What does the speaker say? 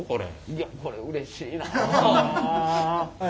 いやこれうれしいなあ。